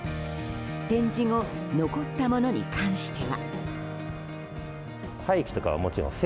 展示後残ったものに関しては。